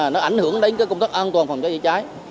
nó ảnh hưởng đến công tác an toàn phòng cháy chữa cháy